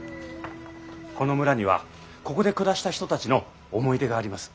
この村にはここで暮らした人たちの思い出があります。